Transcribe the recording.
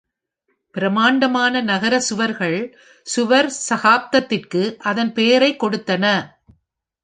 பிரமாண்டமான நகர சுவர்கள் சுவர் சகாப்தத்திற்கு அதன் பெயரைக் கொடுத்தன.